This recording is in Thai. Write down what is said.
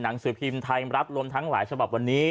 หนังสือพิมพ์ไทยรัฐรวมทั้งหลายฉบับวันนี้